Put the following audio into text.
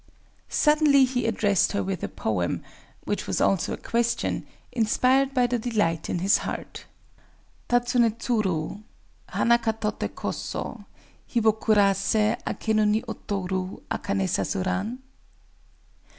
Suddenly he addressed her with a poem—which was also a question—inspired by the delight in his heart:— "Tadzunétsuru, Hana ka toté koso, Hi wo kurasé, Akénu ni otoru Akané sasuran?"